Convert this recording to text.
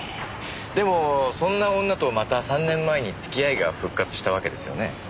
でもそんな女とまた３年前に付き合いが復活したわけですよね？